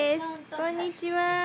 こんにちは。